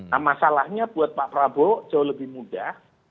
nah masalahnya buat pak prabowo jauh lebih mudah